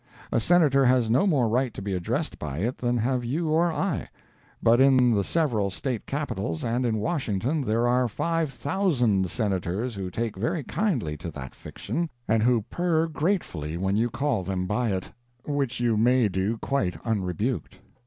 A Senator has no more right to be addressed by it than have you or I; but, in the several state capitals and in Washington, there are five thousand Senators who take very kindly to that fiction, and who purr gratefully when you call them by it which you may do quite unrebuked.